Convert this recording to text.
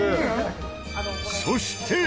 そして。